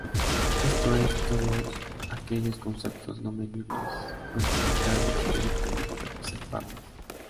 Esto es, todos aquellos conceptos no medibles, cuantificables y directamente observables.